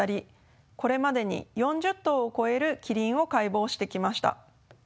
これまでに４０頭を超えるキリンを解剖してきました。